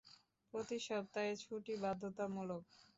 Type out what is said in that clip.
প্রতি সপ্তাহে ছুটি বাধ্যতামূলক!